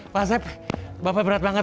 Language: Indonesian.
pak asep bapak berat banget